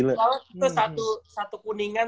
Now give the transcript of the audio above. kalau itu satu kuningan